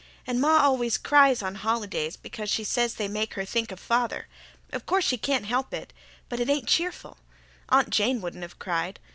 And ma always cries on holidays because she says they make her think of father. Of course she can't help it, but it ain't cheerful. Aunt Jane wouldn't have cried.